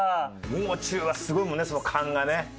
もう中はすごいもんねその勘がね。